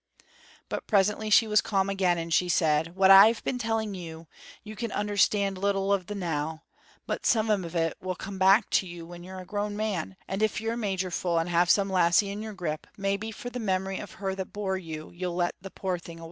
But presently she was calm again and she said: "What I've been telling you, you can understand little o' the now, but some of it will come back to you when you're a grown man, and if you're magerful and have some lassie in your grip, maybe for the memory of her that bore you, you'll let the poor thing awa'."